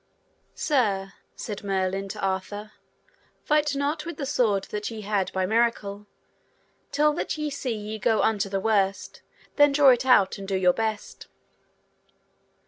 Sir, said Merlin to Arthur, fight not with the sword that ye had by miracle, till that ye see ye go unto the worse, then draw it out and do your best.